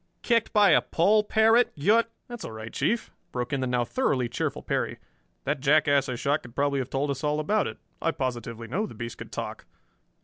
"Kicked by a poll parrot! You're " "That's all right, Chief," broke in the now thoroughly cheerful Perry. "That jackass I shot could probably have told us all about it. I positively know the beast could talk."